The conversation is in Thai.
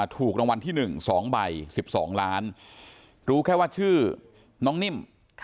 ถูกรางวัลที่๑๒ใบ๑๒ล้านรู้แค่ว่าชื่อน้องนิ่ม